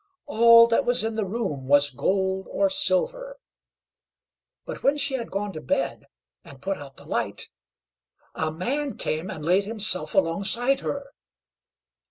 All that was in the room was gold or silver; but when she had gone to bed and put out the light, a man came and laid himself alongside her.